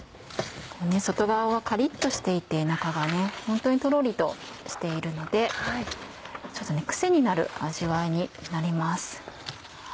外側はカリっとしていて中がホントにトロリとしているのでちょっと癖になる味わいになります。